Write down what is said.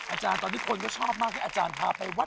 อาจารย์ตอนนี้คนชอบมากที่อาจารย์พาไปวัดดูที่ไหน